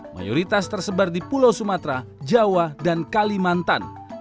mayoritas tersebar di pulau sumatera jawa dan kalimantan